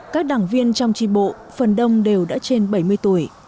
các đảng viên trong tri bộ phần đông đều đã trên bảy mươi tuổi